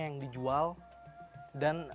yang dijual dan